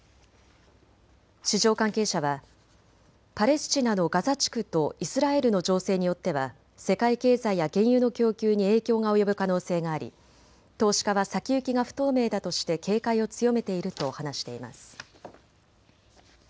市場関係者はパレスチナのガザ地区とイスラエルの情勢によっては世界経済や原油の供給に影響が及ぶ可能性があり投資家は先行きが不透明だとして警戒を強めていると話しています。